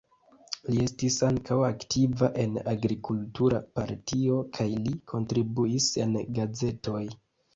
Li estis ankaŭ aktiva en agrikultura partio kaj li kontribuis en gazetoj.